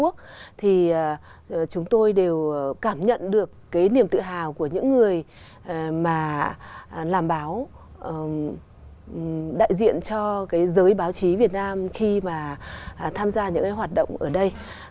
thì chúng tôi đều cảm nhận được cái niềm tự hào của những người mà làm báo đại diện cho cái giới báo chí việt nam khi mà tham gia những cái hoạt động ở đây